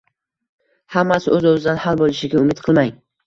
Hammasi o‘z-o‘zidan hal bo‘lishiga umid qilmang.